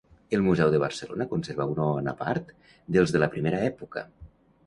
El museu de Barcelona conserva una bona part dels de la primera època.